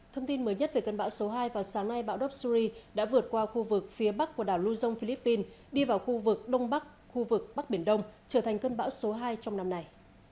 thông tin mới nhất về cơn bão số hai vào sáng nay bão dobsuri đã vượt qua khu vực phía bắc của đảo luzon philippines đi vào khu vực đông bắc khu vực bắc biển đông trở thành cơn bão số hai trong năm nay